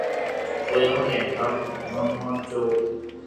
富山県南砺市